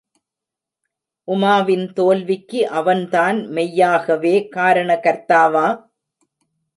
உமாவின் தோல்விக்கு அவன்தான் மெய்யாகவே காரண கர்த்தாவா?